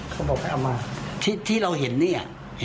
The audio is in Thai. เขาบอกให้เอามาที่ที่เราเห็นนี่อ่ะ